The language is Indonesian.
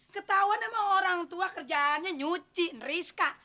ketauan emang orang tua kerjaannya nyuci rizka